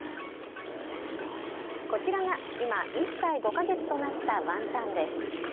こちらが今１歳５か月となったワンタンです。